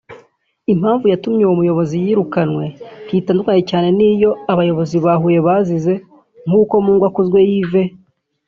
Impamvu yatumye uwo muyobozi yirukanwe ntitandukanye cyane n’iyo abayobozi ba Huye bazize nk’uko Mungwakuzwe Yves